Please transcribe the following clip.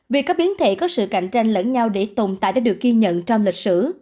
việc các biến thể có sự cạnh tranh lẫn nhau để tồn tại đã được ghi nhận trong lịch sử